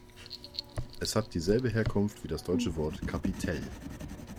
Es hat dieselbe Herkunft wie das deutsche Wort "Kapitell".